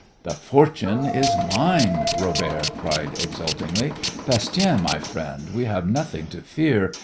"The fortune is mine!" Robert cried exultingly. "Bastien, my friend, we have nothing to fear.